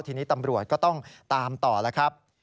ทีนี้ตำรวจก็ต้องตามต่อแล้วครับ